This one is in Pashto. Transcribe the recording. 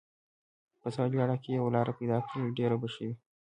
په سهېلي اړخ کې یوه لار پیدا کړل، ډېر به ښه وي.